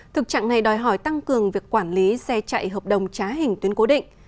thực trạng này đòi hỏi tăng cường việc quản lý xe chạy hợp đồng trá hình tuyến cố định